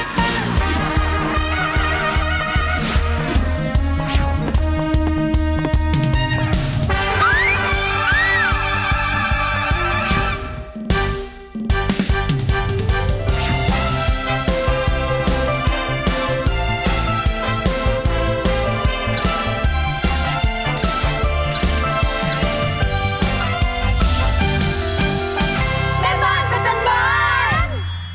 คนชอบไทยสี่ตัวจริง